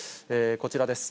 こちらです。